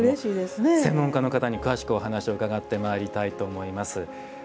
専門家の方に詳しくお話を伺ってまいります。